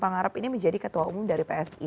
yang harap ini menjadi ketua umum dari psi